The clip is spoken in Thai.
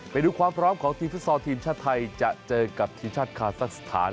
ไปดูความพร้อมของทีมฟุตซอลทีมชาติไทยจะเจอกับทีมชาติคาซักสถาน